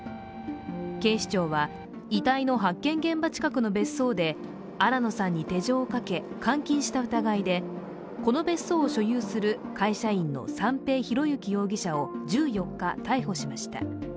警視庁は遺体の発見現場近くの別荘で新野さんに手錠をかけ監禁した疑いでこの別荘を所有する会社員の三瓶博幸容疑者を１４日、逮捕しました。